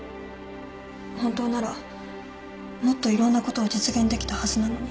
本当ならもっといろんなことを実現できたはずなのに。